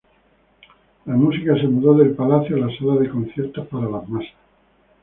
La música se mudó del palacio a la sala de conciertos para las masas.